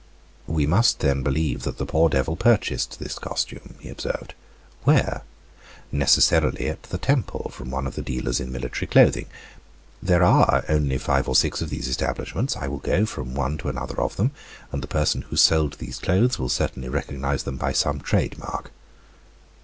"We must then believe that the poor devil purchased this costume," he observed. "Where? Necessarily at the Temple, from one of the dealers in military clothing. There are only five or six of these establishments. I will go from one to another of them, and the person who sold these clothes will certainly recognize them by some trade mark."